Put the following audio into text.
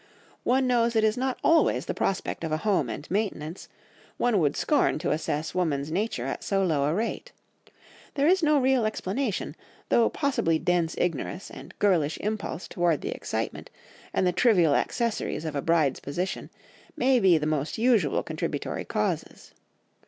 One knows it is not always the prospect of a home and maintenance, one would scorn to assess woman's nature at so low a rate. There is no real explanation, though possibly dense ignorance and girlish impulse toward the excitement, and the trivial accessories of a bride's position, may be the most usual contributory causes.